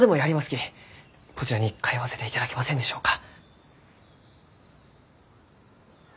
こちらに通わせていただけませんでしょうか？